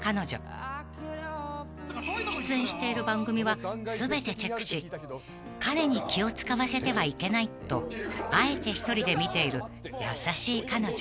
［出演している番組は全てチェックし彼に気を使わせてはいけないとあえて１人で見ている優しい彼女］